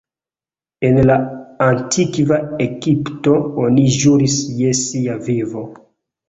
En la antikva Egipto, oni ĵuris je sia vivo.